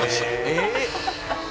「えっ？」